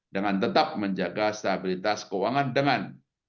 dengan tetap menjaga stabilitas keuangan dengan